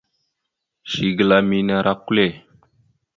Zigla mene ara kwal.